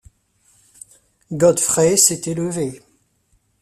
Godfrey s’était levé.